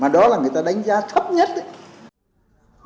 mà đó là người ta đánh giá thấp nhất đấy